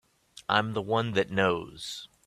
I'm the one that knows.